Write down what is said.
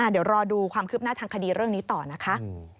เดี๋ยวรอดูความคืบหน้าทางคดีเรื่องนี้ต่อนะคะ